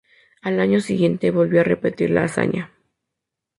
Al año siguiente volvió a repetir la hazaña.